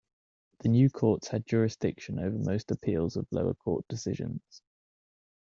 The new courts had jurisdiction over most appeals of lower court decisions.